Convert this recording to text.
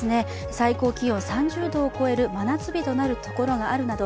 最高気温３０度を超える真夏日となるところもあるなど